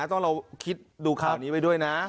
ต้องเราคิดดูข่าวนี้ไปด้วยนะ